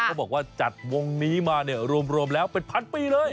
เขาบอกว่าจัดวงนี้มาเนี่ยรวมแล้วเป็นพันปีเลย